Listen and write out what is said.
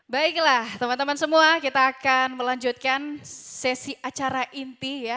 baiklah teman teman semua kita akan melanjutkan sesi acara inti ya